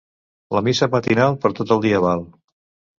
La missa matinal, per tot el dia val.